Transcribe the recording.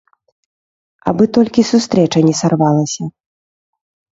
Абы толькі сустрэча не сарвалася.